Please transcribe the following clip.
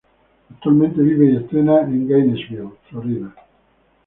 Actualmente vive y entrena en Gainesville, Florida.